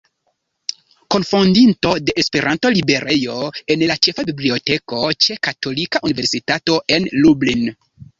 Kunfondinto de Esperanto Librejo en la Ĉefa Biblioteko ĉe Katolika Universitato en Lublin.